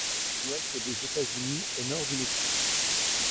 Ouest des États-Unis et nord du Mexique.